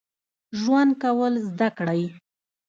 ژوند کول زده کړئ